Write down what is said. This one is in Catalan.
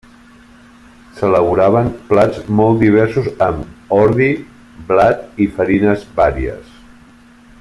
S'elaboraven plats molt diversos amb ordi, blat i farines vàries.